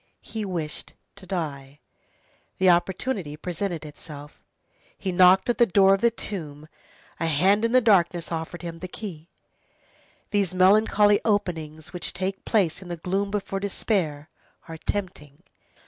He wished to die; the opportunity presented itself; he knocked at the door of the tomb, a hand in the darkness offered him the key. These melancholy openings which take place in the gloom before despair, are tempting.